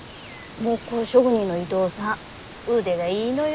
木工職人の伊藤さん腕がいいのよ。